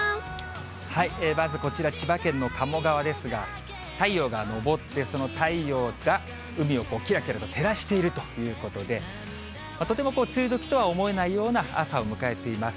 まずこちら、千葉県の鴨川ですが、太陽が昇って、その太陽が海をきらきらと照らしているということで、とても梅雨時とは思えないような朝を迎えています。